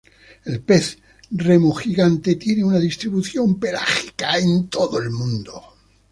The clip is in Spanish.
El pez remo gigante tiene una distribución pelágica en todo el mundo.